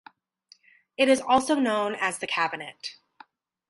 It is also known as the cabinet.